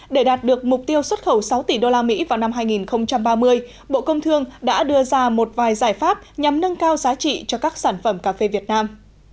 để đạt được mục tiêu xuất khẩu sáu tỷ usd vào năm hai nghìn ba mươi bộ công thương đã đưa ra một vài giải pháp nhằm nâng cao giá trị cho các sản phẩm cà phê việt nam